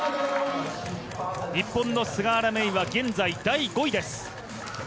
日本の菅原芽衣は現在第５位です。